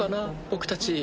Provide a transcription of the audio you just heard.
僕たち。